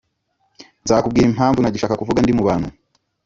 Nzakubwira impamvu nagishak kuvuga ndi mubantu